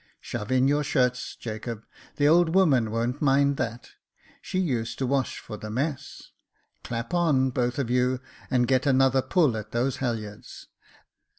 Shove in your shirts, Jacob, the old woman won't mind that. She used to wash for the mess. Clap on, both of you, and get another pull at those halyards.